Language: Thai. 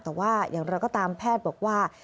แต่ว่าอย่างไรก็ตามแพทย์บอกว่า